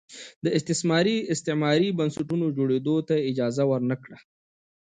د استثماري استعماري بنسټونو جوړېدو ته یې اجازه ور نه کړه.